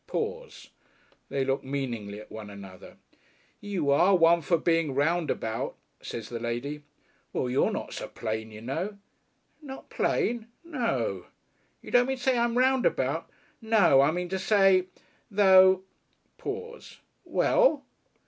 Pause. They look meaningly at one another. "You are a one for being roundabout," says the lady. "Well, you're not so plain, you know." "Not plain?" "No." "You don't mean to say I'm roundabout?" "No. I mean to say ... though " Pause. "Well?"